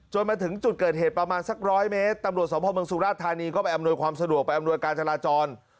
มาถึงจุดเกิดเหตุประมาณสักร้อยเมตรตำรวจสมภาพเมืองสุราชธานีก็ไปอำนวยความสะดวกไปอำนวยการจราจร